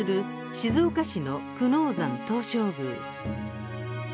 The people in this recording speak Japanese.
静岡市の久能山東照宮。